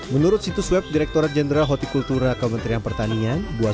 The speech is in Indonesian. menurut situs web direktorat jenderal horticultura kementerian pertanian buah